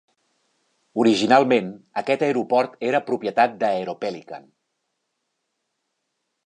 Originalment, aquest aeroport era propietat d'Aeropelican.